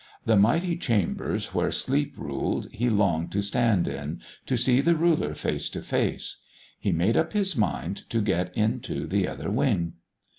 The mighty chambers where Sleep ruled he longed to stand in, to see the Ruler face to face. He made up his mind to get into the Other Wing.